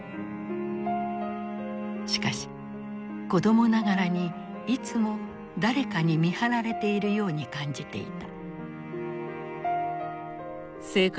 しかし子供ながらにいつも誰かに見張られているように感じていた。